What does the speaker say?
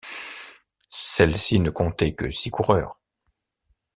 Celle-ci ne comptait que six coureurs.